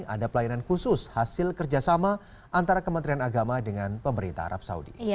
ada pelayanan khusus hasil kerjasama antara kementerian agama dengan pemerintah arab saudi